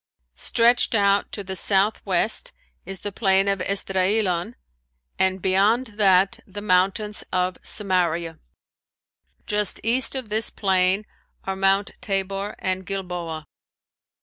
Stretched out to the southwest is the Plain of Esdraelon, and beyond that the mountains of Samaria. Just east of this plain are Mount Tabor and Gilboa.